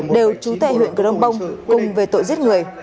đều chú tây huyện cửa đông bông cùng về tội giết người